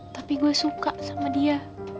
tapi gue suka sama dia